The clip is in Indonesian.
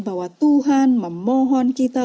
bahwa tuhan memohon kita